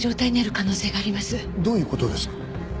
どういう事ですか？